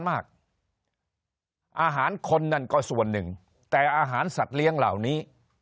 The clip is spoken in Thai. อาหารคนนั่นก็ส่วนหนึ่งแต่อาหารสัตว์เลี้ยงเหล่านี้